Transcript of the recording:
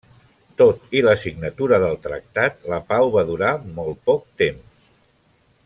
Tot i la signatura del Tractat la pau va durar molt poc temps.